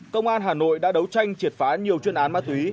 công an hà nội đã đấu tranh triệt phá nhiều chuyên án ma túy